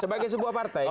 sebagai sebuah partai